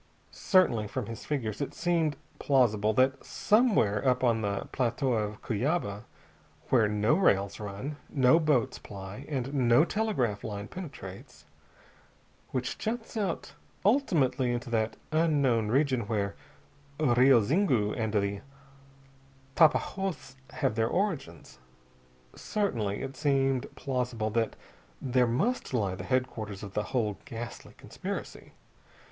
Certainly, from his figures, it seemed plausible that somewhere up on the Plateau of Cuyaba where no rails run, no boats ply, and no telegraph line penetrates; which juts out ultimately into that unknown region where the Rio Zingu and the Tapajoz have their origins certainly it seemed plausible that there must lie the headquarters of the whole ghastly conspiracy.